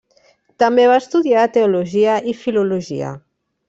També va estudiar teologia i filologia.